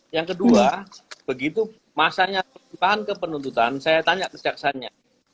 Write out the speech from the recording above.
yang kedua begitu masanya ke penuntutan saya tanya ke jaksanya